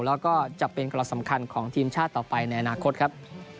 แล้วก็จะเป็นกำลังสำคัญของทีมชาติต่อไปในอนาคตครับ